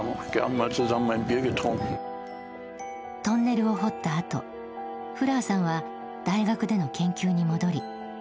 トンネルを掘ったあとフラーさんは大学での研究に戻り